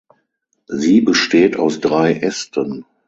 Sie besteht aus drei Ästen.